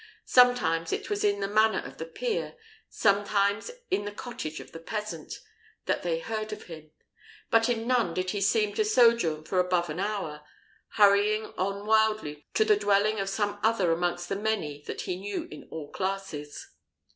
Sometimes it was in the manor of the peer, sometimes in the cottage of the peasant, that they heard of him; but in none did he seem to sojourn for above an hour, hurrying on wildly to the dwelling of some other amongst the many that he knew in all classes.